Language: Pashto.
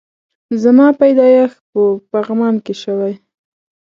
زما پيدايښت په پغمان کی شوي